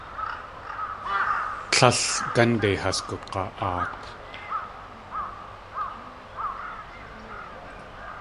Tlél gánde has gug̲a.aat.